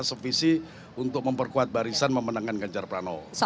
sevisi untuk memperkuat barisan memenangkan ganjar pranowo